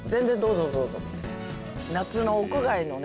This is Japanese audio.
夏の屋外のね。